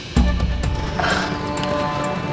ngapain kamu kesini